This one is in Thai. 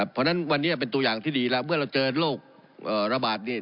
เพราะฉะนั้นวันนี้เป็นตัวอย่างที่ดีแล้วเมื่อเราเจอโรคระบาดเนี่ย